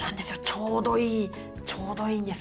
ちょうどいいちょうどいいんですよ。